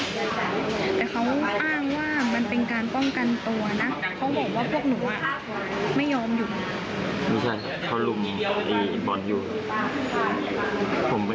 แต่เค้าอ้างว่ามันเป็นการป้องกันตัวนะ